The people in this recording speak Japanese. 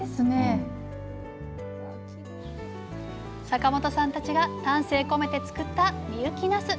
坂本さんたちが丹精込めて作った深雪なす。